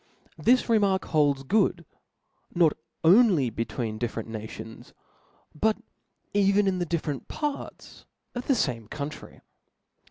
This remark holds good not only be tween diflferent, nations ; but even in the different iiaidc, P^^ of ^^® f^"^c country.